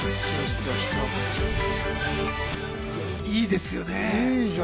いいですよね。